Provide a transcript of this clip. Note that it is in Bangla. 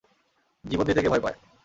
জীবন দিতে কে ভয় পায়।